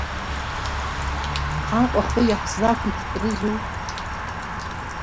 Аҟәа ахы иаҳзақәиҭтәрызу?